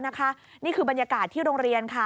นี่คือบรรยากาศที่โรงเรียนค่ะ